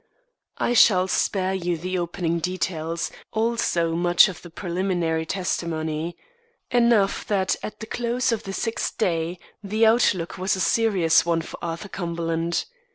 I shall spare you the opening details, also much of the preliminary testimony. Enough that at the close of the sixth day, the outlook was a serious one for Arthur Cumberland.